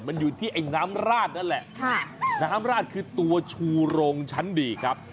มันอยู่ที่ไอ้น้ำราดนั่นแหละค่ะน้ำราดคือตัวชูโรงชั้นดีครับ